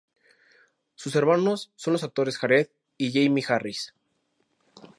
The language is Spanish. Sus hermanos son los actores Jared y Jamie Harris.